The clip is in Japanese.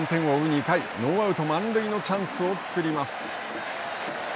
２回ノーアウト、満塁のチャンスを作ります。